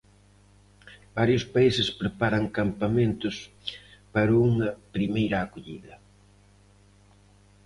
Varios países preparan campamentos para unha primeira acollida.